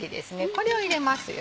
これを入れますよ。